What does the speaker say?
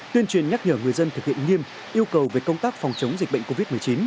tuyên truyền nhắc nhở người dân thực hiện nghiêm yêu cầu về công tác phòng chống dịch bệnh covid một mươi chín